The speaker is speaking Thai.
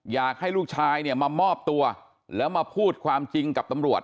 อยากให้ลูกชายเนี่ยมามอบตัวแล้วมาพูดความจริงกับตำรวจ